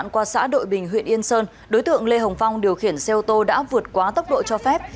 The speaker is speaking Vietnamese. qua xã đội bình huyện yên sơn đối tượng lê hồng phong điều khiển xe ô tô đã vượt quá tốc độ cho phép